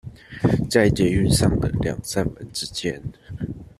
在捷運上的兩扇門之間